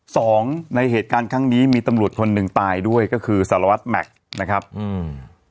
สองในเหตุการณ์ครั้งนี้มีตำรวจคนหนึ่งตายด้วยก็คือสารวัตรแม็กซ์นะครับอืม